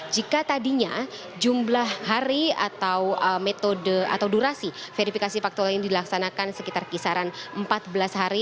jika tadinya jumlah hari atau metode atau durasi verifikasi faktual ini dilaksanakan sekitar kisaran empat belas hari